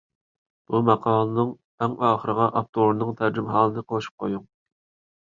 بۇ ماقالىنىڭ ئەڭ ئاخىرىغا ئاپتورنىڭ تەرجىمىھالىنى قوشۇپ قويۇڭ.